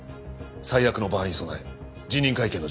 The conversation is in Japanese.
最悪の場合に備え辞任会見の準備を。